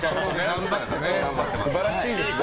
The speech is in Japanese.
素晴らしいですね。